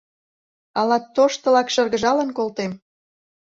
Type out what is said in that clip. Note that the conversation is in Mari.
Ала тоштылак шыргыжалын колтем?